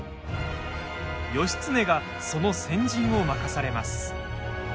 義経が、その先陣を任されます。